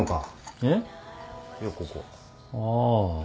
ああ。